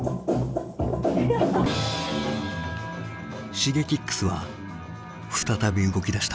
Ｓｈｉｇｅｋｉｘは再び動きだした。